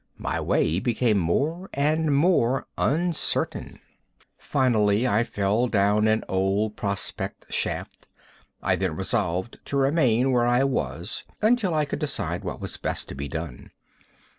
My way became more and more uncertain. Finally I fell down an old prospect shaft. I then resolved to remain where I was until I could decide what was best to be done.